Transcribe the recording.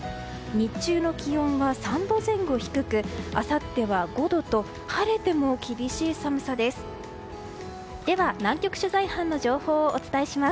日中の気温は３度前後低くあさっては５度と晴れても厳しい寒さです。